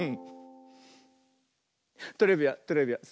トレビアントレビアン。